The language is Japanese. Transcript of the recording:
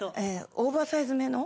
オーバーサイズ。